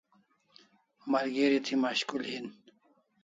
Malgeri thi mashkul hin